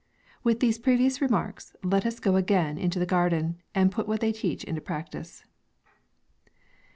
With these previous remarks, let us go a gain into the garden, and put what they teach into practice.